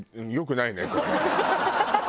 ハハハハ！